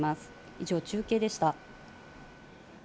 以上、中継でした。